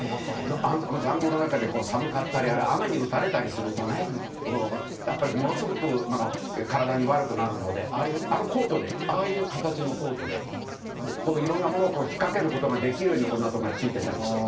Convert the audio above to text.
塹壕の中で寒かったり雨に打たれたりするとやっぱりものすごく体に悪くなるのであのコートでああいう形のコートでいろいろなものをひっかけることができるようにいろいろとついていたりして。